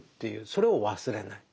それを忘れない。